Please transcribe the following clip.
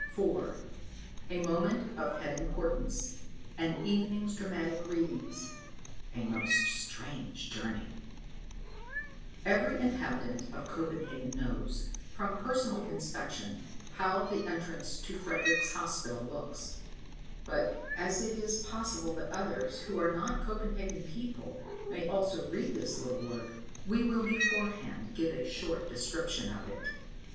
IV. A Moment of Head Importance An Evening's "Dramatic Readings" A Most Strange Journey Every inhabitant of Copenhagen knows, from personal inspection, how the entrance to Frederick's Hospital looks; but as it is possible that others, who are not Copenhagen people, may also read this little work, we will beforehand give a short description of it.